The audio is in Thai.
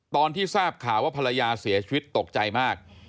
ตอนที่ทราบข่าวว่าภรรยาเสียชีวิตตกใจมาก